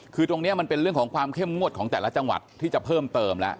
คือตรงนี้มันเป็นเรื่องของความเข้มงวดของแต่ละจังหวัดที่จะเพิ่มเติมแล้ว